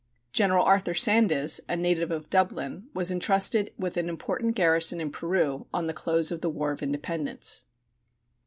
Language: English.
General Arthur Sandes, a native of Dublin, was entrusted with an important garrison in Peru on the close of the War of Independence.